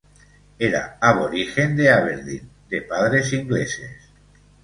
Era aborigen de Aberdeen, de padres ingleses.